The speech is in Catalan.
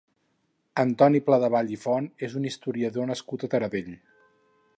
Antoni Pladevall i Font és un historiador nascut a Taradell.